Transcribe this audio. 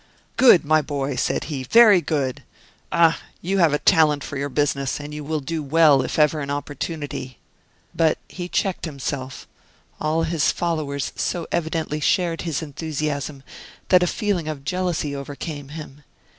"Good, my boy," said he, "very good! Ah! you have a talent for your business, and you will do well if ever an opportunity " But he checked himself; all his followers so evidently shared his enthusiasm that a feeling of jealousy overcame him.